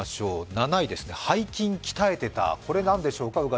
７位ですね、背筋鍛えてた、これ何でしょうか。